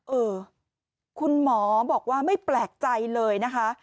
เออคุณหมอบอกว่าไม่แปลกใจเลยนะคะ